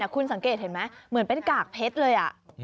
คุณสังเกตเห็นไหมเหมือนเป็นกากเพชรเลย